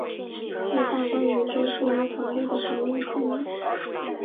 是大观园中最为华丽的房屋之一。